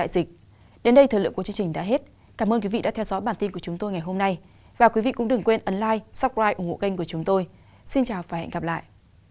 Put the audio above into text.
xin chào và hẹn gặp lại